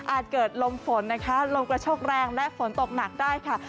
เกิดลมฝนนะคะลมกระโชกแรงและฝนตกหนักได้ค่ะ